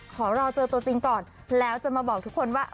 ขอรอเจอตัวจริงก่อนแล้วจะมาบอกทุกคนว่า